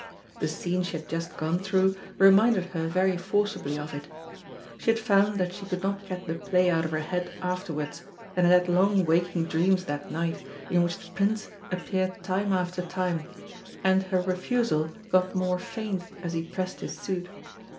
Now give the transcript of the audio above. The scene she had just gone through reminded her very forcibly of it. She had found that she could not get the play out of her head afterwards, and had had long waking dreams that night, in which the Prince appeared time after time, and her refusal got more faint as he pressed his suit.